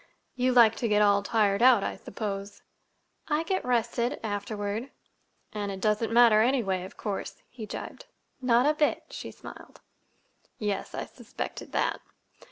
"You like to get all tired out, I suppose." "I get rested—afterward." "And it doesn't matter, anyway, of course," he gibed. "Not a bit," she smiled. "Yes, I suspected that."